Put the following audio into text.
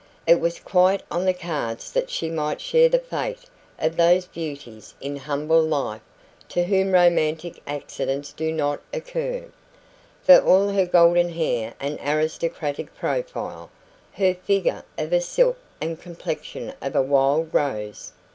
It was quite on the cards that she might share the fate of those beauties in humble life to whom romantic accidents do not occur, for all her golden hair and aristocratic profile, her figure of a sylph and complexion of a wild rose.